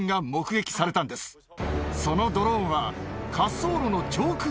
そのドローンは。